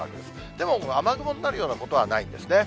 でも雨雲になるようなことはないんですね。